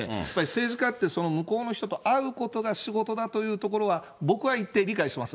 政治家って、向こうの人に会うことが仕事だというところは、僕は一定理解してます。